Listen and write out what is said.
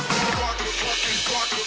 dan lama lama ya